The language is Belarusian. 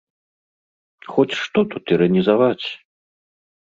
Хоць што тут іранізаваць?